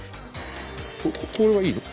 これはいいの？